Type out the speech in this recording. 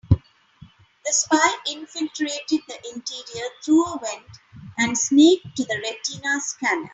The spy infiltrated the interior through a vent and sneaked to the retina scanner.